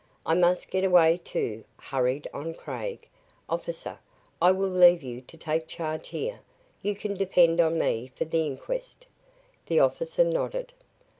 "I must get away, too," hurried on Craig. "Officer, I will leave you to take charge here. You can depend on me for the inquest." The officer nodded.